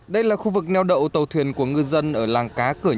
đây là khu vực neo đậu tàu thuyền của ngư dân ở làng